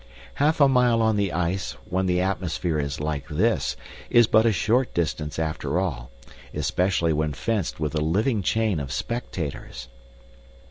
Half a mile on the ice, when the atmosphere is like this, is but a short distance after all, especially when fenced with a living chain of spectators.